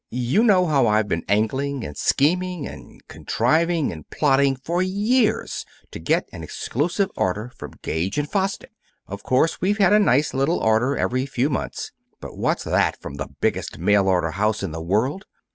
You know how I've been angling and scheming and contriving and plotting for years to get an exclusive order from Gage & Fosdick. Of course we've had a nice little order every few months, but what's that from the biggest mail order house in the world?